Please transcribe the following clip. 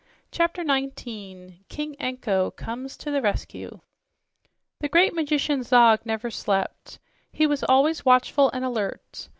CHAPTER 19 KING ANKO TO THE RESCUE The great magician Zog never slept. He was always watchful and alert.